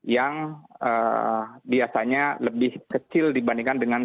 yang biasanya lebih kecil dibandingkan dengan